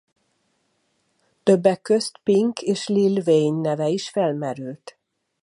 Többek között Pink és Lil Wayne neve is felmerült.